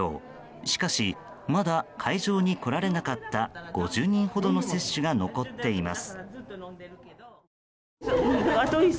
しかし、まだ会場に来られなかった５０人ほどの接種が残っています。